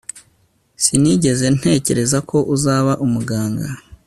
Sinigeze ntekereza ko uzaba umuganga